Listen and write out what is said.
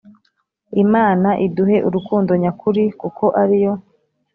Imana iduhe urukundo nyakuri kuko ariyo